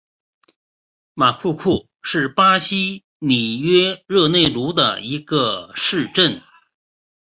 马库库是巴西里约热内卢州的一个市镇。